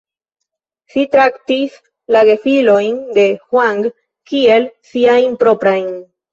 Si traktis la gefilojn de Huang kiel siajn proprajn.